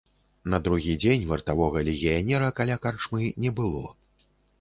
На другі дзень вартавога легіянера каля карчмы не было.